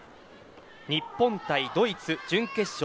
日本対ドイツ準決勝